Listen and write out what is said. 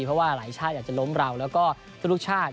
เพราะว่าหลายชาติอยากจะล้มเราแล้วก็ทุกชาติ